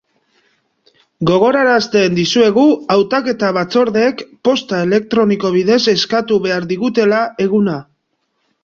Gogorarazten dizuegu hautaketa-batzordeek posta elektroniko bidez eskatu behar digutela eguna.